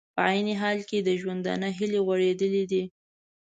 په عین حال کې د ژوندانه هیلې غوړېدلې دي